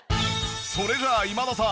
それじゃあ今田さん